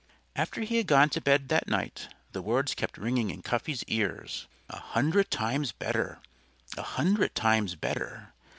_ After he had gone to bed that night the words kept ringing in Cuffy's ears. _A hundred times better! A hundred times better!...